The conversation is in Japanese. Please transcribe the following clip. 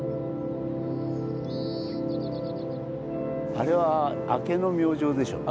あれは明けの明星でしょうね。